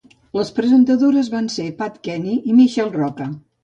Les presentadores van ser Pat Kenny i Michelle Rocca.